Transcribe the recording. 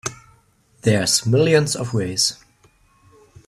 There's millions of ways.